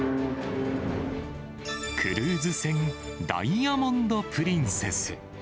クルーズ船、ダイヤモンド・プリンセス。